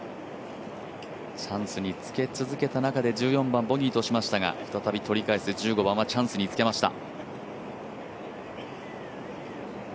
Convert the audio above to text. チャンスにつけ続けた中で１４番ボギーとしましたが、再び取り返し、１５番はチャンスにつけました。